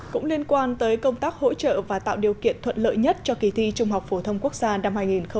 cũng liên quan tới công tác hỗ trợ và tạo điều kiện thuận lợi nhất cho kỳ thi trung học phổ thông quốc gia năm hai nghìn một mươi chín